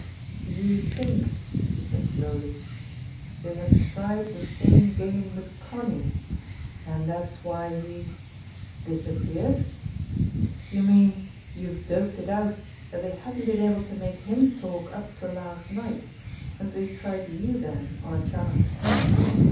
"You think," he said slowly, "they had tried the same game with Connie, and that's why he's disappeared? You mean you've doped it out that they hadn't been able to make him talk up to last night, and that they tried you then on a chance